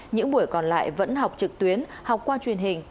những buổi còn lại vẫn học trực tuyến học qua truyền hình